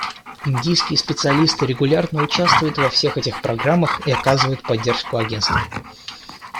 Индийские специалисты регулярно участвуют во всех этих программах и оказывают поддержку Агентству.